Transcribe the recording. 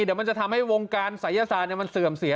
เดี๋ยวมันจะทำให้วงการศัยศาสตร์มันเสื่อมเสีย